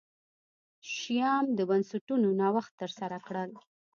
شیام د بنسټونو نوښت ترسره کړل.